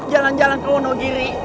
jalan jalan kewono giri